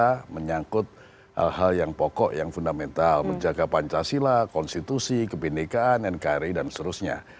karena menyangkut hal hal yang pokok yang fundamental menjaga pancasila konstitusi kebindikan nkri dan seterusnya